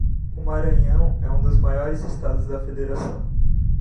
O Maranhão é um dos maiores estados da federação